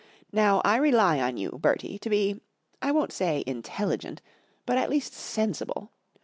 Now 1 rely on you, Bertie, to be—I won't say intelligent, but at least sensible.